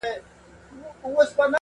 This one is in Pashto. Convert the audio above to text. زه د غم تخم کرمه او ژوندی پر دنیا یمه-